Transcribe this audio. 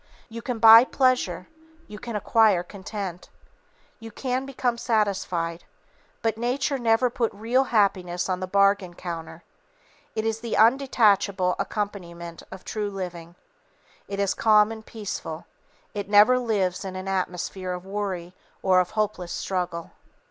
You can buy pleasure, you can acquire content, you can become satisfied, but Nature never put real happiness on the bargain counter. It is the undetachable accompaniment of true living. It is calm and peaceful; it never lives in an atmosphere of worry or of hopeless struggle.